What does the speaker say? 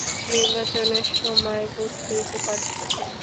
নির্বাচনের সময়, বুঝতেই তো পারছ।